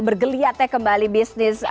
bergeliat ya kembali bisnis